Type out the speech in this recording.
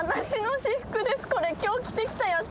これ今日着てきたやつ。